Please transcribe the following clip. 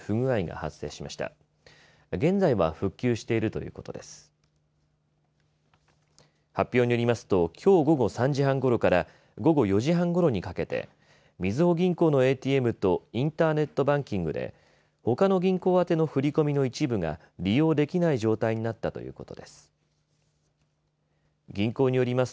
発表によりますときょう午後３時半ごろから午後４時半ごろにかけてみずほ銀行のＡＴＭとインターネットバンキングでほかの銀行宛ての振り込みの一部が利用できない状態になったということです。